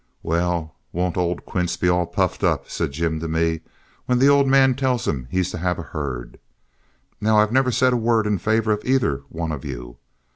"Well, won't old Quince be all puffed up," said Jim to me, "when the old man tells him he's to have a herd. Now, I've never said a word in favor of either one of you.